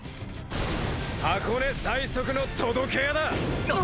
箱根最速の届け屋だ！！